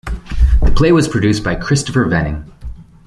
The play was produced by Christopher Venning.